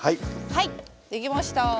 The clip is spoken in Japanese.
はい出来ました。